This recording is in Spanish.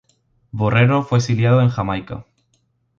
Borrero fue exiliado en Jamaica.